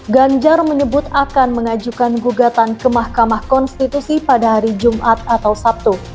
ganjar menyebut akan mengajukan gugatan ke mahkamah konstitusi pada hari jumat atau sabtu